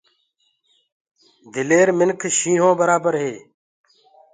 بهآدرآ مِنک شيِنهو ڪي مِسآل هي۔